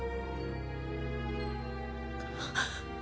あっ！